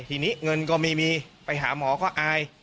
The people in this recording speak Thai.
ทีนี้เงินก็ไม่มีไปหาหมอก็อาย